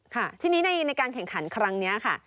ค่ะทีนี้ในการแข่งขันครั้งนี้ค่ะ